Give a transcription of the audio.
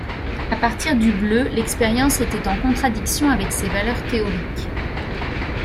À partir du bleu, l'expérience était en contradiction avec ces valeurs théoriques.